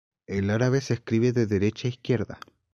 El árabe se escribe de derecha a izquierda.